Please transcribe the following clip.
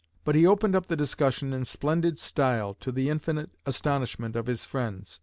But he opened up the discussion in splendid style, to the infinite astonishment of his friends.